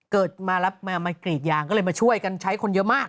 เกิดมามากรีดยางก็เลยมาช่วยกันใช้คนเยอะมาก